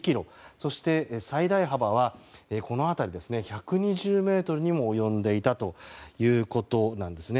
そして、最大幅はこの辺り、１２０ｍにも及んでいたということです。